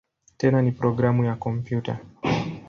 Tena ni programu ya kompyuta.